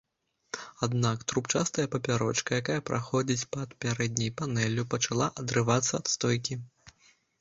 Аднак, трубчастая папярочка, якая праходзіць пад пярэдняй панэллю, пачала адрывацца ад стойкі.